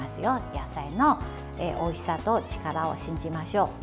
野菜のおいしさと力を信じましょう。